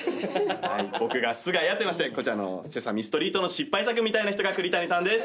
僕がすがやといいましてこちらの『セサミストリート』の失敗作みたいな人が栗谷さんです。